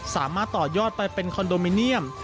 สามารถต่อยอดไปเป็นคอนโดมิเนียม